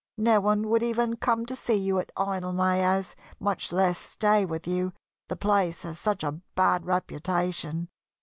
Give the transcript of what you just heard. No one would even come to see you at Idlemay House, much less stay with you the place has such a bad reputation."